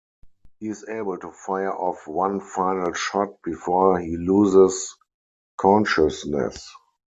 He is able to fire off one final shot before he loses consciousness.